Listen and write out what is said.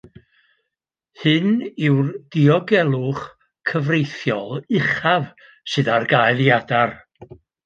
Hyn yw'r diogelwch cyfreithiol uchaf sydd ar gael i adar